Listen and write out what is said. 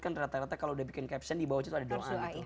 kan rata rata kalau udah bikin caption di bawah itu ada doa gitu